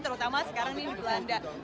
terutama sekarang ini di belanda